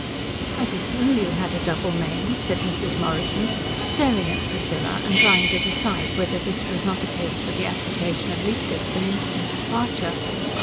"I didn't know you had a double name," said Mrs. Morrison, staring at Priscilla and trying to decide whether this was not a case for the application of leaflets and instant departure.